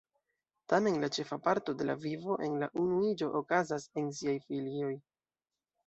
Tamen, la ĉefa parto de la vivo en la unuiĝo okazas en siaj filioj.